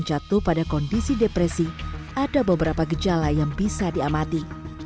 jatuh pada kondisi depresi ada beberapa gejala yang bisa diamati